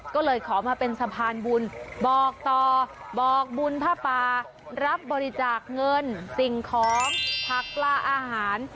ก็เลยขอมาเป็นสะพานบุญบอกต่อบอกบุญผ้าปลารับบริจาคเงินสิ่งของผักปลาอาหาร